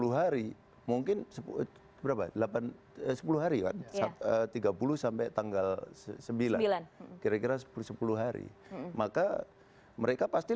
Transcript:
sepuluh hari mungkin sepuluh berapa delapan sepuluh hari tiga puluh sampai tanggal sembilan kira kira sepuluh hari maka mereka pasti